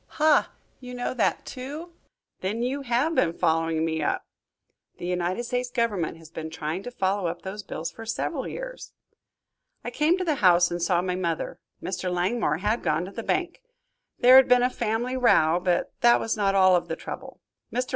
"Ha! You know that, too! Then you have been following me up?" "The United States Government has been trying to follow up those bills for several years." "I came to the house and saw my mother. Mr. Langmore had gone to the bank. There had been a family row, but that was not all of the trouble. Mr.